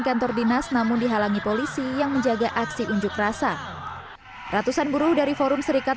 kantor dinas namun dihalangi polisi yang menjaga aksi unjuk rasa ratusan buruh dari forum serikat